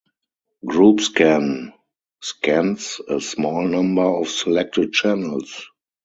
Group Scan scans a small number of selected channels.